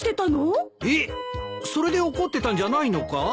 えっそれで怒ってたんじゃないのか？